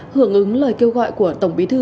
hưởng ứng lời kêu gọi của tổng bí thư